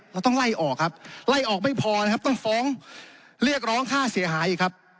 เราต้องไล่ออกครับไล่ออกไม่พอนะครับต้องฟ้องเรียกร้องค่าเสียหายอีกครับ